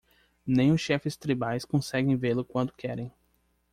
Nem os chefes tribais conseguem vê-lo quando querem.